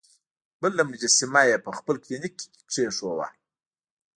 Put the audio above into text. بله مجسمه یې په خپل کلینیک کې کیښوده.